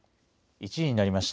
１時になりました。